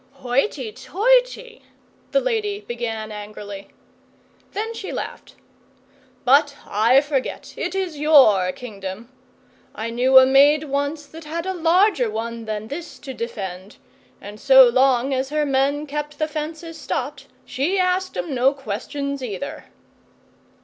'Hoity toity!' the lady began angrily. Then she laughed. 'But I forget. It is your Kingdom. I knew a maid once that had a larger one than this to defend, and so long as her men kept the fences stopped, she asked 'em no questions either.